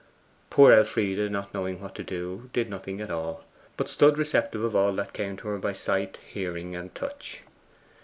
Poor Elfride, not knowing what to do, did nothing at all; but stood receptive of all that came to her by sight, hearing, and touch.